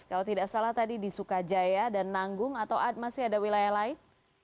kalau tidak salah tadi di sukajaya dan nanggung atau masih ada wilayah lain